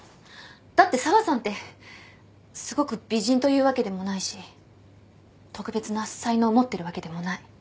だって紗和さんってすごく美人というわけでもないし特別な才能を持ってるわけでもない。